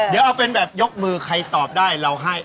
เดี๋ยวเอาเป็นแบบยกมือใครตอบได้เราให้